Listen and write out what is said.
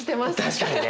確かにね。